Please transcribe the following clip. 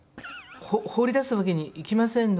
放り出すわけにいきませんので。